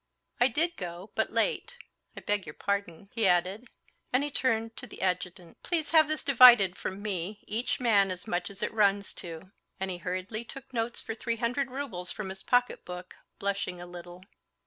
"I did go, but late. I beg your pardon," he added, and he turned to the adjutant: "Please have this divided from me, each man as much as it runs to." And he hurriedly took notes for three hundred roubles from his pocketbook, blushing a little.